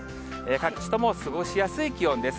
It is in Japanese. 各地とも過ごしやすい気温です。